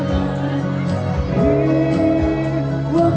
ไม่ได้หวัง